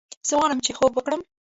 زه غواړم چې خوب وکړم